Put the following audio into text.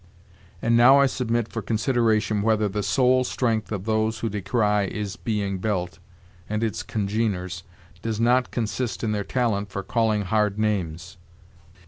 And now I submit for consideration whether the sole strength of those who decry is being built and its congeners does not consist in their talent for calling hard names.